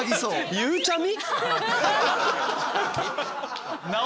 ゆうちゃみ？